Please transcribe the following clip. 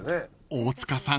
［大塚さん